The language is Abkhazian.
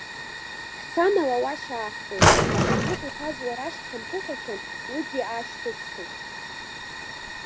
Ҳцан алауашь ааҳхәеит, аԥаҭлыка иҭаз уарашк ҳамԥыхьашәан, уигьы аашьҭысхит.